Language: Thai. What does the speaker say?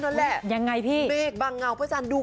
เมฆบังเงาพระจันทร์ดู